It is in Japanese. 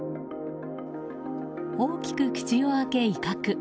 大きく口を開け、威嚇。